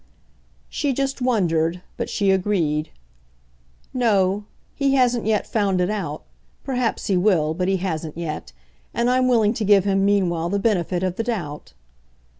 She just wondered but she agreed. "No he hasn't yet found it out. Perhaps he will, but he hasn't yet; and I'm willing to give him meanwhile the benefit of the doubt."